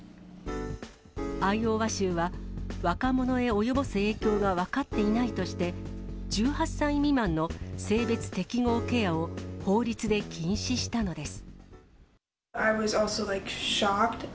アイオワ州は、若者へ及ぼす影響が分かっていないとして、１８歳未満の性別適合ケアを法律で禁止したのです。